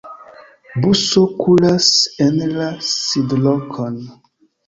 Buso kuras en la sidlokon.